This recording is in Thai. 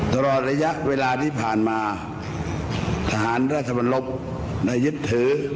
ตลอดระยะเวลาที่ผ่านมาทหารราชบรบได้ยึดถือ